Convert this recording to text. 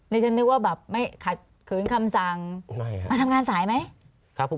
นายจะนึกว่าแบบค่ะไม่คืนคำสั่งมาทำงานสายไหม